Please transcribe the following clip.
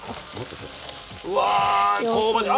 うわあ香ばしい。